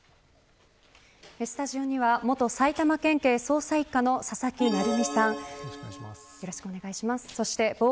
スタジオには元埼玉県警捜査一課の佐々木成三さん。